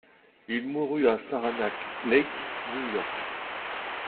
Il mourut à Saranac Lake, New York.